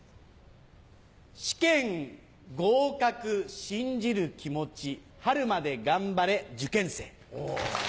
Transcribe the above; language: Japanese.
試験合格信じる気持ち春まで頑張れ受験生。